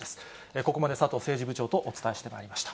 ここまで佐藤政治部長とお伝えしてまいりました。